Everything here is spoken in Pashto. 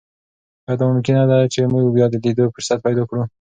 ایا دا ممکنه ده چې موږ بیا د لیدو فرصت پیدا کړو؟